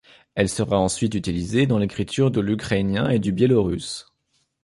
Elle sera ensuite utilisée dans l’écriture de l’ukrainien et du biélorusse.